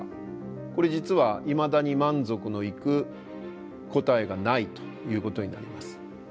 これ実はいまだに満足のいく答えがないということになります。